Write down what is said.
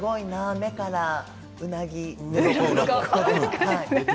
目からうなぎ。